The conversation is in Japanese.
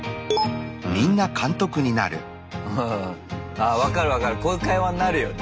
あ分かる分かるこういう会話になるよね。